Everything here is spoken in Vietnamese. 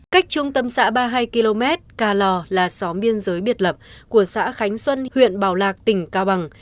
cách trung tâm xã ba mươi hai km cà lò là xóm biên giới biệt lập của xã khánh xuân huyện bảo lạc tỉnh cao bằng